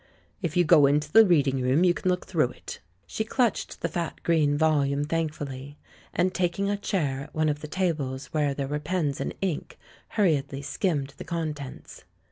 "If you go into the reading room you can look through it." She clutched the fat green volume thankfully ; and, taking a chair at one of the tables where there were pens and ink, hurriedly skimmed the contents.